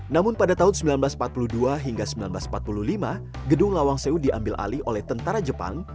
namun pada tahun seribu sembilan ratus empat puluh dua hingga seribu sembilan ratus empat puluh lima gedung lawang sewu diambil alih oleh tentara jepang